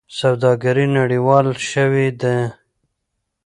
سوداګري نړیواله شوې ده.